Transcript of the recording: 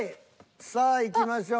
さあいきましょう。